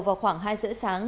vào khoảng hai giờ sáng